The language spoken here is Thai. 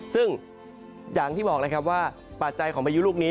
ซึ่งอย่างที่บอกแล้วครับว่าปัจจัยของพายุลูกนี้